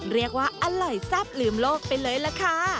เรียกว่าอร่อยแซ่บลืมโลกไปเลยล่ะค่ะ